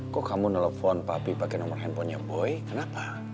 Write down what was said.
kok kamu nelfon papi pakai nomor handphonenya boy kenapa